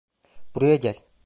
Buraya gel.